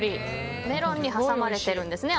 メロンに挟まれるんですね。